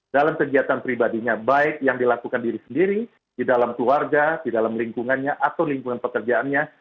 dalam kegiatan pribadinya baik yang dilakukan diri sendiri di dalam keluarga di dalam lingkungannya atau lingkungan pekerjaannya